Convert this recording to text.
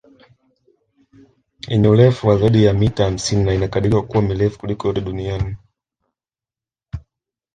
Yenye urefu wa zaidi ya mita hamsini na inakadiriwa kuwa mirefu kuliko yote duniani